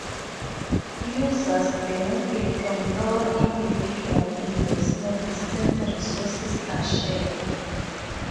Users benefit from lower individual investments since resources are shared.